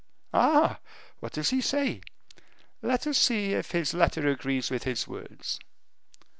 "Ah! what does he say? Let us see if his letter agrees with his words."